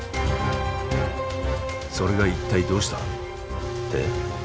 「それが一体どうした」って？